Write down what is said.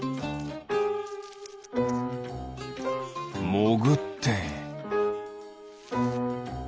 もぐって。